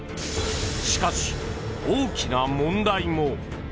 しかし、大きな問題も！